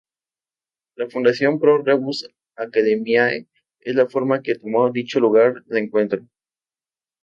La Fundación Pro Rebus Academiae es la forma que tomó dicho lugar de encuentro.